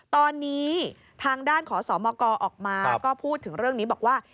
ตอนนี้ทางด้านขอสมกออกมาก็พูดถึงเรื่องนี้บอกว่า